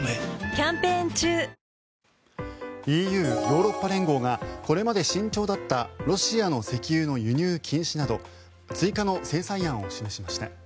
ＥＵ・ヨーロッパ連合がこれまで慎重だったロシアの石油の輸入禁止など追加の制裁案を示しました。